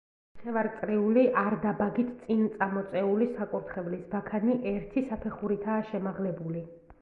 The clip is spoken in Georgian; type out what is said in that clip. ნახევარწრიული, არდაბაგით წინწამოწეული საკურთხევლის ბაქანი ერთი საფეხურითაა შემაღლებული.